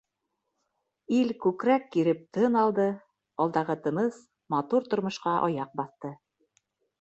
Ил күкрәк киреп тын алды, алдағы тыныс, матур тормошҡа аяҡ баҫты.